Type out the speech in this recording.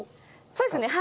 そうですねはい。